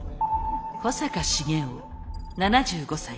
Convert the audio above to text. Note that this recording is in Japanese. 保坂重雄７５才。